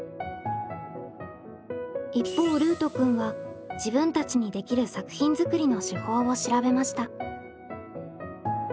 一方ルートくんは自分たちにできる作品作りの手法を調べました。